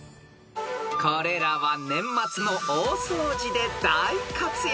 ［これらは年末の大掃除で大活躍］